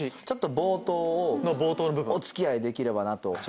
ちょっと冒頭をお付き合いできればなと。